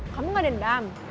kamu nggak dendam